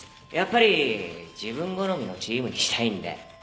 やっぱり自分好みのチームにしたいんで